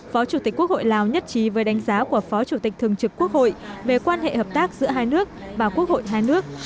phó chủ tịch quốc hội lào nhất trí với đánh giá của phó chủ tịch thường trực quốc hội về quan hệ hợp tác giữa hai nước và quốc hội hai nước